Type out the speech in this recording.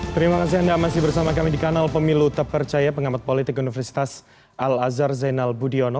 terima kasih anda masih bersama kami di kanal pemilu tepercaya pengamat politik universitas al azhar zainal budiono